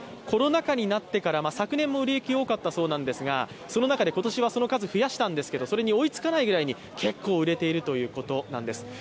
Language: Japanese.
コロナ禍になってから昨年も売れ行き、多かったそうなんですがその中で、今年その数、増やしたんですけどそれに追いつかないくらいに結構売れているということなんです。